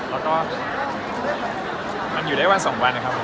แล้วก็มันอยู่ได้วัน๒วันครับ